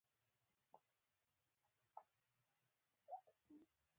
کلا ته نه راته.